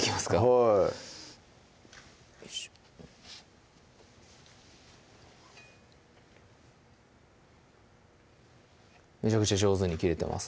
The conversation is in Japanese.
はいめちゃくちゃ上手に切れてます